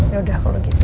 yaudah kalau gitu